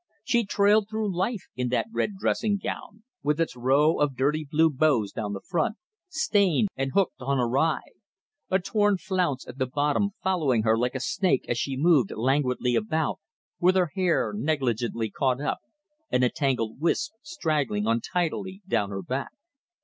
She trailed through life in that red dressing gown, with its row of dirty blue bows down the front, stained, and hooked on awry; a torn flounce at the bottom following her like a snake as she moved languidly about, with her hair negligently caught up, and a tangled wisp straggling untidily down her back.